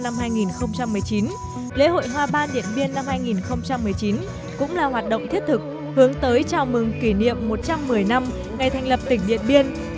lễ hội hoa ban điện biên năm hai nghìn một mươi chín cũng là hoạt động thiết thực hướng tới chào mừng kỷ niệm một trăm một mươi năm ngày thành lập tỉnh điện biên